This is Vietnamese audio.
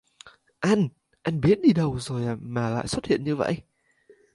anh anh biến đi đâu rồi mà lại xuất hiện như vậy